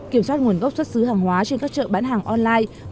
kiểm soát nguồn gốc xuất xứ hàng hóa trên các chợ bán hàng online